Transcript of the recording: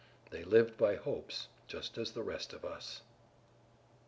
They lived by hopes just as the rest of us.